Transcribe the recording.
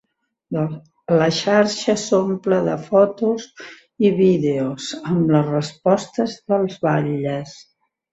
La xarxa s'omple de fotos i vídeos amb les respostes dels batlles